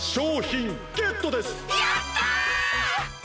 やった！